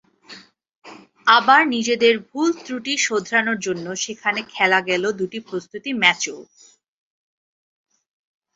আবার নিজেদের ভুলত্রুটি শোধরানোর জন্য সেখানে খেলা গেল দুটি প্রস্তুতি ম্যাচও।